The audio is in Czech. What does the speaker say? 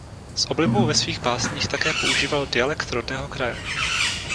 S oblibou ve svých básních také používal dialekt rodného kraje.